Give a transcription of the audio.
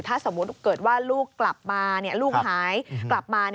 ถ้าสมมุติเกิดว่าลูกหายกลับมา